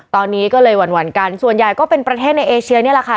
ตอนนี้ก็เลยหวั่นกันส่วนใหญ่ก็เป็นประเทศในเอเชียนี่แหละค่ะ